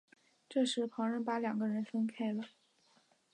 这时旁人把两人分开了。